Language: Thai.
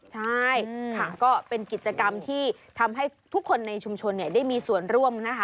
ใช่ค่ะก็เป็นกิจกรรมที่ทำให้ทุกคนในชุมชนได้มีส่วนร่วมนะคะ